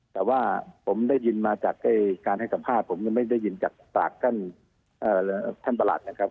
แต่ว่าผมได้ยินมาจากการให้สัมภาษณ์ผมยังไม่ได้ยินจากปากท่านประหลัดนะครับ